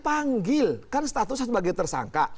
menggigilkan status sebagai tersangka